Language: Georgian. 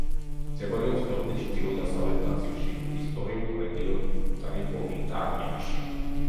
მდებარეობს ქვეყნის ჩრდილო-დასავლეთ ნაწილში, ისტორიულ რეგიონ ტრიპოლიტანიაში.